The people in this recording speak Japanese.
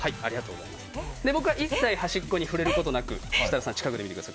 僕は一切端っこに触れることなく設楽さん、近くで見てください。